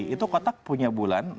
itu kotak punya bulan